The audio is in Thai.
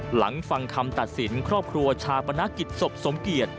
หลังฟังคำตัดสินครอบครัวชาปนกิจศพสมเกียจ